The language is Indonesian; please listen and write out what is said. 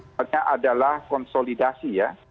yang pertama adalah konsolidasi ya